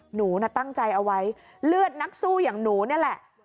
หนูน่ะตั้งใจเอาไว้เลือดนักสู้อย่างหนูนี่แหละ